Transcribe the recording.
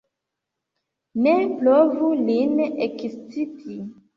Ne provu lin eksciti!